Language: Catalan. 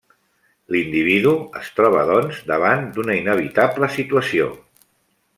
L'individu es troba, doncs, davant d'una inevitable situació.